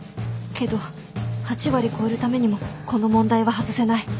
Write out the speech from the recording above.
けど８割超えるためにもこの問題は外せない。